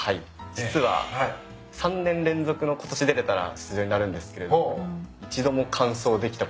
実は３年連続のことし出れたら出場になるんですけれど一度も完走できたことがなくてですね。